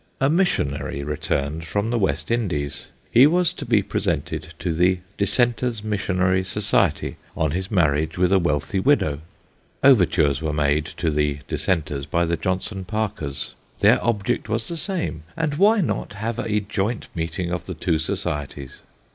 A missionary returned from the West Indies ; he was to be presented to the Dissenters' Missionary Society on his marriage with a wealthy widow. Overtures were made to the Dis senters by the Johnson Parkers. Their object was the same, and why not have a joint meeting of the two societies